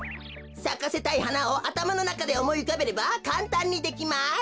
さかせたいはなをあたまのなかでおもいうかべればかんたんにできます。